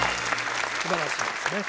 すばらしいですね